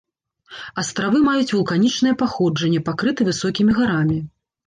Астравы маюць вулканічнае паходжанне, пакрыты высокімі гарамі.